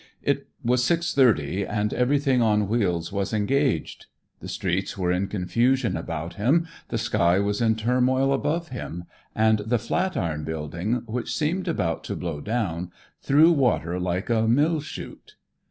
It was six thirty, and everything on wheels was engaged. The streets were in confusion about him, the sky was in turmoil above him, and the Flatiron building, which seemed about to blow down, threw water like a mill shoot.